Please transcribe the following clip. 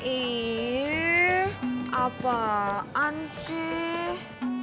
ih apaan sih